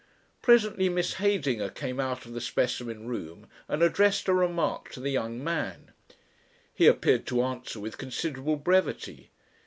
Presently Miss Heydinger came out of the specimen room and addressed a remark to the young man. He appeared to answer with considerable brevity.